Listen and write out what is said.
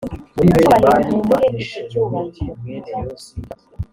icyubahiro mumuhe icyo cyubahiro